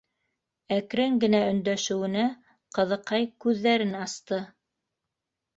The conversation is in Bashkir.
- Әкрен генә өндәшеүенә, ҡыҙыҡай күҙҙәрен асты.